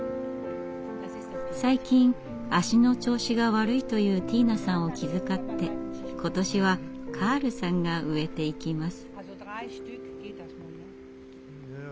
最近足の調子が悪いというティーナさんを気遣って今年はカールさんが植えていきます。